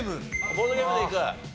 ボードゲームでいく？